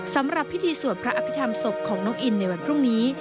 สำหรับพิธีสวดพระอภิษฐรรมศพของน้องอินในวันพรุ่งนี้